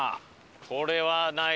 これはない。